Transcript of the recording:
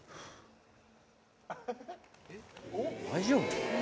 大丈夫？